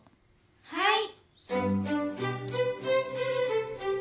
はい。